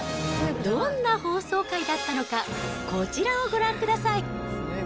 どんな放送回だったのか、こちらをご覧ください。